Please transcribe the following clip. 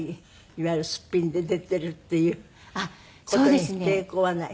いわゆるスッピンで出ているっていう事に抵抗はない？